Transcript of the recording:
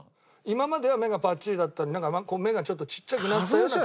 今までは目がぱっちりだったのに目がちょっとちっちゃくなったような。